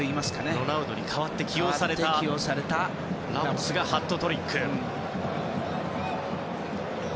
ロナウドに代わって起用されたラモスがハットトリック。